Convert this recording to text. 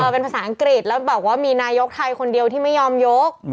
เป็นภาษาอังกฤษแล้วบอกว่ามีนายกไทยคนเดียวที่ไม่ยอมยก